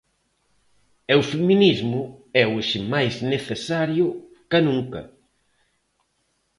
E o feminismo é hoxe máis necesario ca nunca.